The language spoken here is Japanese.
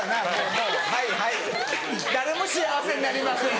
もう「誰も幸せになりません」。